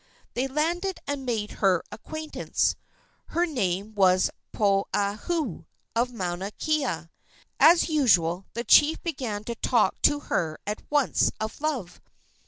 They landed and made her acquaintance. Her name was Poliahu, of Mauna Kea. As usual, the chief began to talk to her at once of love.